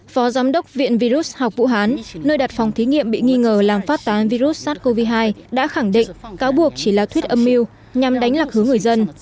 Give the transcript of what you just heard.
phó giám đốc viện virus học vũ hán nơi đặt phòng thí nghiệm bị nghi ngờ làm phát tán virus sars cov hai đã khẳng định cáo buộc chỉ là thuyết âm mưu nhằm đánh lạc hướng người dân